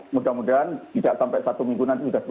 mudah mudahan tidak sampai satu minggu nanti sudah dua puluh ribu